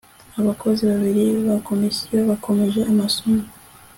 abakozi babiri ba Komisiyo bakomeje amasomo